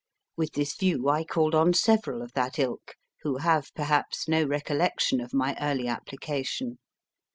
With this view I called on several of that ilk, who have perhaps no recollection of my early application.